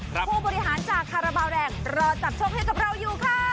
ผู้บริหารจากคาราบาลแดงรอจับโชคให้กับเราอยู่ค่ะ